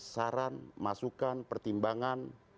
saran masukan pertimbangan